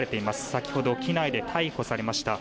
先ほど機内で逮捕されました。